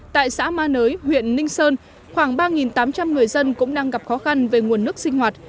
tại xã ma nới huyện ninh sơn khoảng ba tám trăm linh người dân cũng đang gặp khó khăn về nguồn nước sinh hoạt